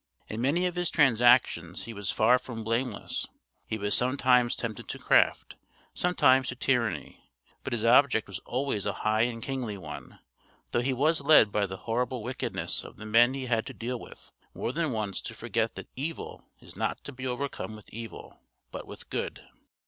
In many of his transactions he was far from blameless: he was sometimes tempted to craft, sometimes to tyranny; but his object was always a high and kingly one, though he was led by the horrible wickedness of the men he had to deal with more than once to forget that evil is not to be overcome with evil, but with good.